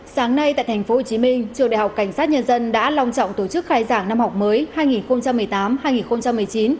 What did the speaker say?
sáng nay tại tp hcm trường đại học cảnh sát nhân dân đã long trọng tổ chức khai giảng năm học mới hai nghìn một mươi tám hai nghìn một mươi chín